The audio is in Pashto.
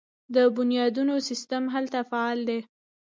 د بنیادونو سیستم هلته فعال دی.